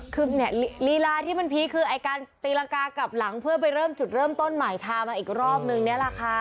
คือเนี่ยลีลาที่มันพีคคือไอ้การตีรังกากลับหลังเพื่อไปเริ่มจุดเริ่มต้นใหม่ทามาอีกรอบนึงนี่แหละค่ะ